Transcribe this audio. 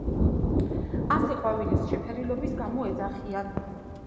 ასე ყვავილის შეფერილობის გამო ეძახიან.